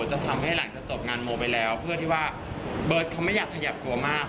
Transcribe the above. จะทำให้หลังจากจบงานโมไปแล้วเพื่อที่ว่าเบิร์ตเขาไม่อยากขยับตัวมาก